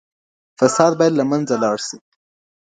فساد بايد له منځه لاړ سي.